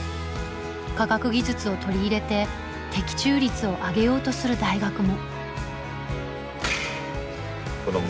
科学技術を取り入れて的中率を上げようとする大学も。